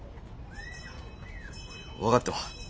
分かったわ。